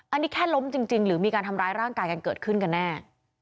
อันนี้แค่ล้มจริงหรือมีการทำร้ายร่างกายกันเกิดขึ้นกันแน่